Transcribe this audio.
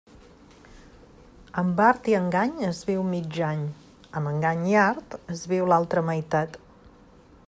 Amb art i engany, es viu mig any; amb engany i art, es viu l'altra meitat.